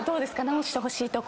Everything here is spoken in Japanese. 直してほしいところ。